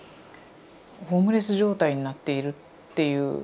ホームレス状態になっているっていう。